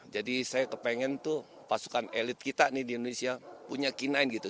jadi saya kepengen tuh pasukan elit kita nih di indonesia punya k sembilan gitu